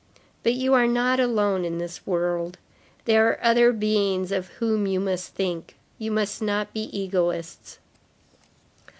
But you are not alone in this world. There are other beings of whom you must think. You must not be egoists."